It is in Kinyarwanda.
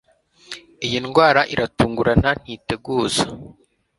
Iyi ndwara iratungurana ntiteguza